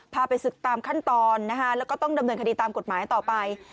พาไปศึกตามขั้นตอนนะคะแล้วก็ต้องดำเนินคดีตามกฎหมายต่อไป